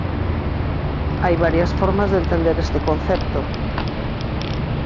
Hai varias formas de entender este concepto.